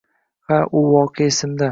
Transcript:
Ha, u voqea esimda